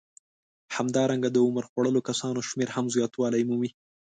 همدارنګه د عمر خوړلو کسانو شمېر هم زیاتوالی مومي